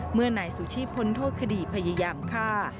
เมื่อนายสุชีพพ้นโทษคดีพยายามฆ่า